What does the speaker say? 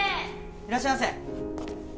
いらっしゃいませ！